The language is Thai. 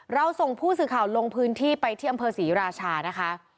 เราส่งผู้สื่อข่าวลงพื้นที่ไปที่อำเภอศรีราชานะคะ